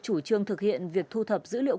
chủ trương thực hiện việc thu thập dữ liệu